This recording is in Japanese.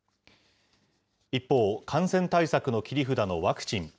一方、感染対策の切り札のワクチン。